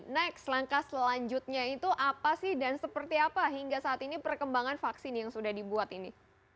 next langkah selanjutnya itu apa sih dan seperti apa hingga saat ini perkembangan vaksin yang sudah dibuat ini